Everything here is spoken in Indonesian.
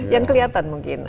yang kelihatan mungkin